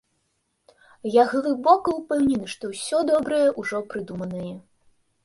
Я глыбока ўпэўнены, што ўсё добрае ўжо прыдуманае.